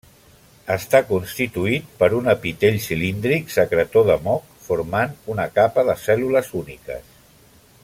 Està constituït per un epiteli cilíndric secretor de moc, formant una capa de cèl·lules úniques.